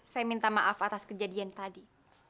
saya minta maaf atas kejadian tadi